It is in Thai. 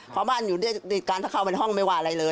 เพราะบ้านอยู่ด้วยกันถ้าเข้าเป็นห้องไม่ว่าอะไรเลย